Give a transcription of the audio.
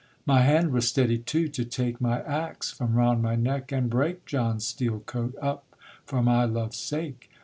_ My hand was steady too, to take My axe from round my neck, and break John's steel coat up for my love's sake.